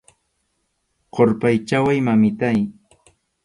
Qurpachaway, mamitáy.